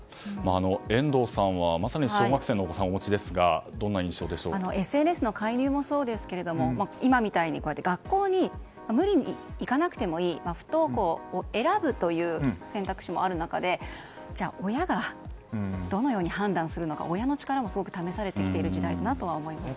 遠藤さんは、まさに小学生のお子さんをお持ちですがＳＮＳの介入もそうですが今みたいに学校に無理にいかなくてもいい不登校を選ぶという選択肢もある中でじゃあ、親がどのように判断するのか親の力もすごく試されている時代だなと感じますね。